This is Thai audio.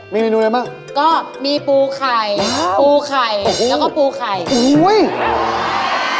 มีเมนูอะไรบ้างก็มีปูไข่ปูไข่แล้วก็ปูไข่อุ้ย